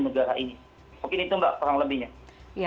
mungkin itu mbak kurang lebihnya